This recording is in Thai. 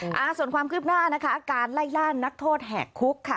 อ่าส่วนความคืบหน้านะคะการไล่ล่านักโทษแหกคุกค่ะ